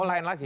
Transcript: oh lain lagi